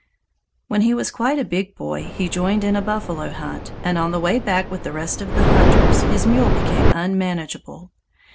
When he was quite a big boy, he joined in a buffalo hunt, and on the way back with the rest of the hunters his mule became unmanageable.